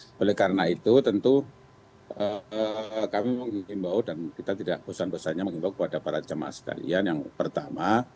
nah oleh karena itu tentu kami mengimbau dan kita tidak bosan bosannya mengimbau kepada para jemaah sekalian yang pertama